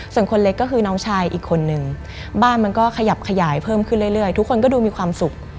ส่วนคนเล็กก็คือน้องชายอีกคนนึงบ้านมันก็ขยับขยายเพิ่มขึ้นเรื่อยทุกคนก็ดูมีความสุข